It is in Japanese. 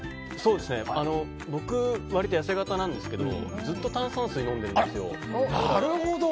僕、割と痩せ形なんですけどずっと炭酸水飲んでるんですよ。